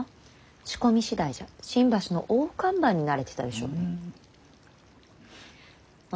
仕込みしだいじゃ新橋の大看板になれてたでしょうに。